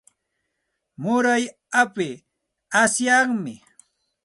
Muray api asyami.